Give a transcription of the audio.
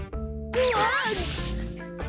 うわ！